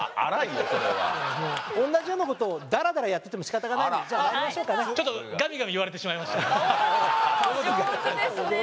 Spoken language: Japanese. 同じようなことをダラダラやっててもしかたがないのでまいりましょうかね。